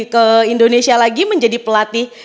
ke indonesia lagi menjadi pelatih